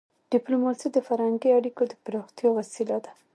ډيپلوماسي د فرهنګي اړیکو د پراختیا وسیله ده.